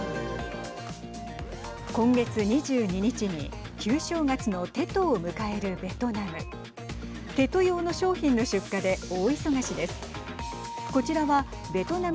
今月２２日に旧正月のテトを迎えるベトナム。